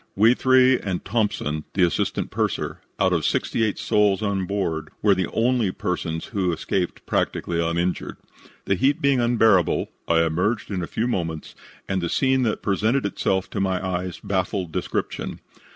"We three and Thompson, the assistant purser, out of sixty eight souls on board, were the only persons who escaped practically uninjured. The heat being unbearable, I emerged in a few moments, and the scene that presented itself to my eyes baffles description.